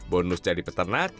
bonus jadi peternak